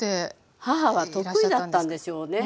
母は得意だったんでしょうね。